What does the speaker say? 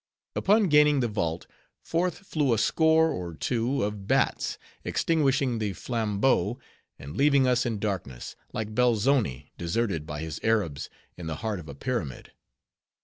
Upon gaining the vault, forth flew a score or two of bats, extinguishing the flambeau, and leaving us in darkness, like Belzoni deserted by his Arabs in the heart of a pyramid.